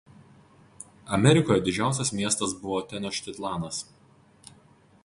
Amerikoje didžiausias miestas buvo Tenočtitlanas.